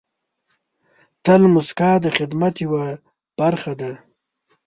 تل موسکا د خدمت یوه برخه ده.